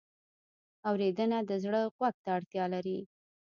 اورېدنه د زړه غوږ ته اړتیا لري.